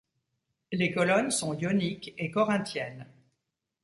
Les colonnes sont ioniques et corinthiennes.